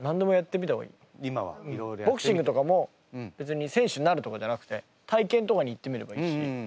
ボクシングとかも別に選手になるとかじゃなくて体験とかに行ってみればいいし。